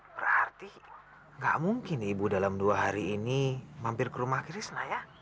berarti gak mungkin ibu dalam dua hari ini mampir ke rumah krisna ya